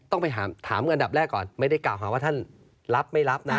ต้องไปถามอันดับแรกก่อนไม่ได้กล่าวหาว่าท่านรับไม่รับนะ